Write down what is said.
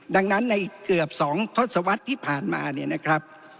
ดังนั้นในเกือบ๒ทศวรรษที่ผ่านมา